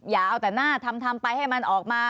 อย่าเอาแต่หน้าทำไปให้มันออกมา